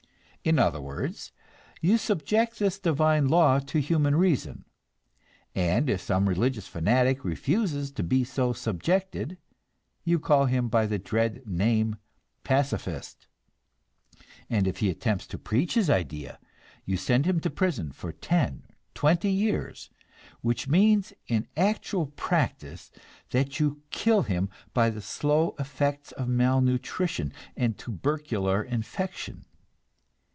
In other words, you subject this divine law to human reason; and if some religious fanatic refuses to be so subjected, you call him by the dread name "pacifist," and if he attempts to preach his idea, you send him to prison for ten or twenty years, which means in actual practice that you kill him by the slow effects of malnutrition and tubercular infection.